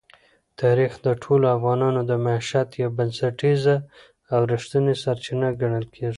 تاریخ د ټولو افغانانو د معیشت یوه بنسټیزه او رښتینې سرچینه ګڼل کېږي.